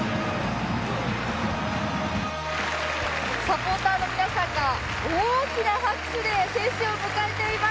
サポーターの皆さんが大きな拍手で選手を迎えています。